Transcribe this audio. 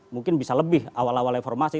mungkin bisa lebih awal awal reformasi